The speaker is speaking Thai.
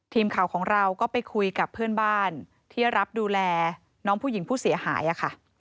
ทีมข่าวของเราก็ไปคุยกับเพื่อนบ้านที่รับดูแลน้องผู้หญิงผู้เสียหายค่ะ